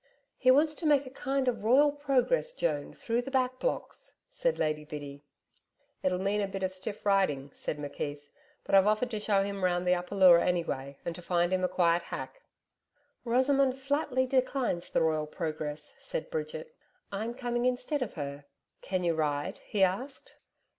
'He wants to make a kind of royal progress, Joan, through the Back Blocks,' said Lady Biddy. 'It'll mean a bit of stiff riding,' said McKeith, 'but I've offered to show him round the Upper Leura anyway, and to find him a quiet hack.' 'Rosamond flatly declines the Royal Progress,' said Bridget. 'I'm coming instead of her.' 'Can you ride?' he asked.